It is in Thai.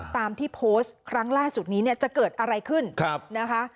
ตามที่โพสต์ครั้งล่าสุดนี้เนี่ยจะเกิดอะไรขึ้นนะคะ